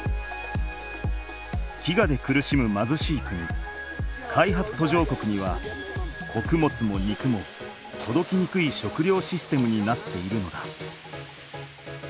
飢餓で苦しむまずしい国開発途上国にはこくもつも肉もとどきにくい食料システムになっているのだ。